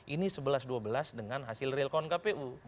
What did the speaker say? ini sebelas dua belas dengan hasil real count kpu